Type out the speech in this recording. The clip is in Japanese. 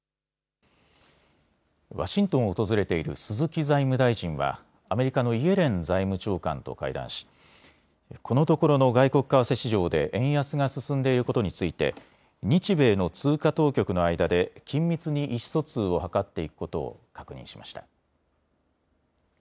ワシントンを訪れている鈴木財務大臣はアメリカのイエレン財務長官と会談しこのところの外国為替市場で円安が進んでいることについて日米の通貨当局の間で緊密に意思疎通を図っていくことを確認しました。